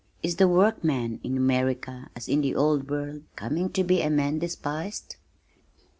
"Is the workman in America, as in the old world, coming to be a man despised?"